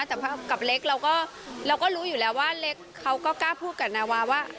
แต่กับเล็กเราก็รู้อยู่แล้วว่าเล็กเขาก็กล้าพูดกับนาวาว่า